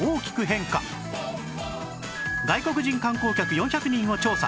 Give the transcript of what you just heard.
外国人観光客４００人を調査